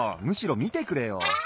むしろみてくれよ。